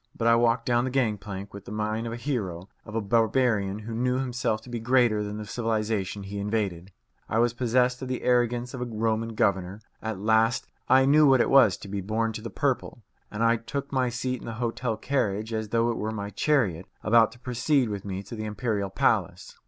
But I walked down the gang plank with the mien of a hero, of a barbarian who knew himself to be greater than the civilization he invaded. I was possessed of the arrogance of a Roman governor. At last I knew what it was to be born to the purple, and I took my seat in the hotel carriage as though it were my chariot about to proceed with me to the imperial palace.